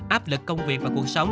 áp lực công việc và cuộc sống